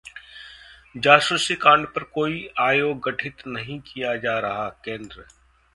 जासूसी कांड पर कोई आयोग गठित नहीं किया जा रहा: केंद्र